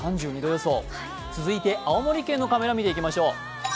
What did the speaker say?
続いて青森県のカメラ、見ていきましょう。